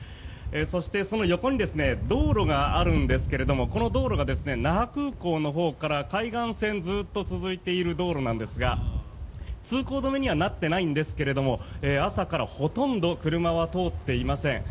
そして、その横に道路があるんですけれどこの道路が那覇空港のほうから海岸線ずっと続いている道路なんですが通行止めにはなってないんですけども朝からほとんど車は通っていません。